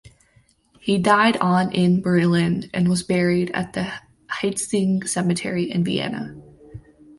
He died on in Berlin and was buried at the Hietzing Cemetery in Vienna.